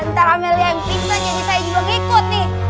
ntar amelia yang pingsan jadi saya juga yang ikut nih